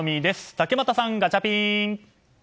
竹俣さん、ガチャピン。